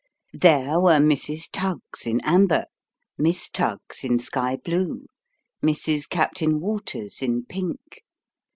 There were Mrs. Tuggs in amber, Miss Tuggs in sky blue, Mrs. Captain Waters in pink.